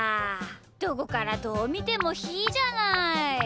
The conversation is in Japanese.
どこからどうみてもひーじゃない。